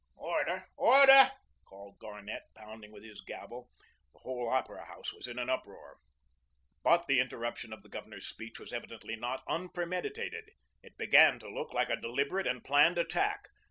"Order, order," called Garnett, pounding with his gavel. The whole Opera House was in an uproar. But the interruption of the Governor's speech was evidently not unpremeditated. It began to look like a deliberate and planned attack.